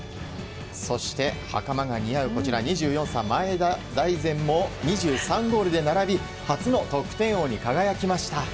そして、袴が似合うこちら２４歳の前田大然も２３ゴールで並び初の得点王に輝きました。